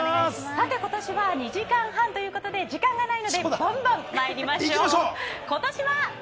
今年は２時間半ということで時間がないのでばんばんまいります。